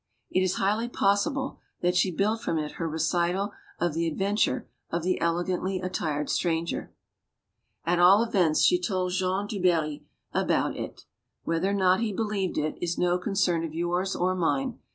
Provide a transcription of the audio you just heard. It is highly possible that she built from it her recital of the adventure of the "elegantly attired" stranger. At all events, she told Jean du Barry about it. Whether or not he believed it, is no concern of yours or mine.